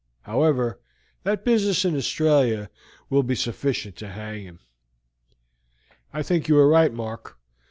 However, that business in Australia will be sufficient to hang him." "I think you are right, Mark.